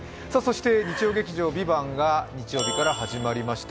日曜劇場「ＶＩＶＡＮＴ」が日曜日から始まりました。